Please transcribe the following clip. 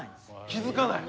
気付かない。